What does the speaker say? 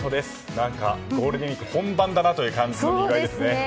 何か、ゴールデンウィーク本番という感じですね。